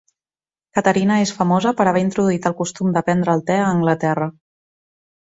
Caterina és famosa per haver introduït el costum de prendre el te a Anglaterra.